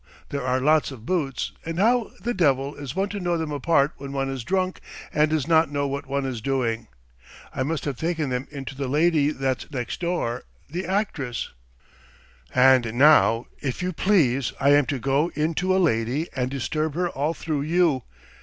There are lots of boots, and how the devil is one to know them apart when one is drunk and does not know what one is doing? ... I must have taken them in to the lady that's next door ... the actress. ..." "And now, if you please, I am to go in to a lady and disturb her all through you!